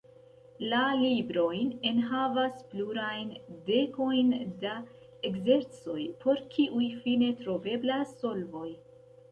La librojn enhavas plurajn dekojn da ekzercoj, por kiuj fine troveblas solvoj.